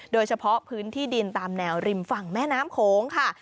โดยเฉพาะพื้นที่ดินตามแนวริมฝั่งแม่น้ำโขงค่ะ